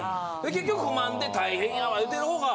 結局不満で大変やわ言うてる方が。